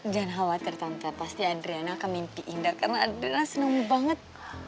jangan khawatir tante pasti adriana akan mimpi indar karena adriana senang banget